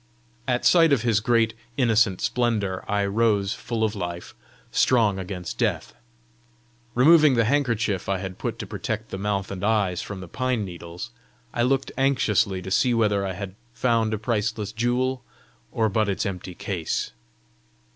At sight of his great innocent splendour, I rose full of life, strong against death. Removing the handkerchief I had put to protect the mouth and eyes from the pine needles, I looked anxiously to see whether I had found a priceless jewel, or but its empty case.